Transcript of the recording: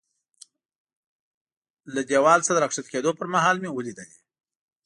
له دېوال نه د را کښته کېدو پر مهال مې ولیدلې.